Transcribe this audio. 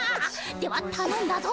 ではたのんだぞ。